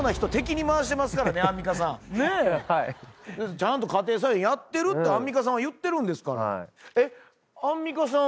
ちゃんと家庭菜園やってるってアンミカさんは言ってるんですから。